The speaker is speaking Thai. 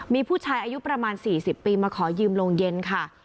มีผู้ชายอายุประมาณ๔๐ปีมาขอยืมโรงเย็นค่ะ